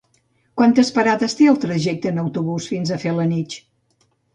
Quantes parades té el trajecte en autobús fins a Felanitx?